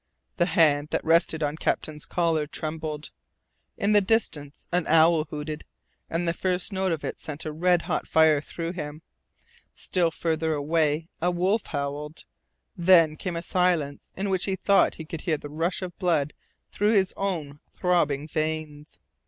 The hand that rested on Captain's collar trembled. In the distance an owl hooted, and the first note of it sent a red hot fire through him. Still farther away a wolf howled. Then came a silence in which he thought he could hear the rush of blood through his own throbbing veins.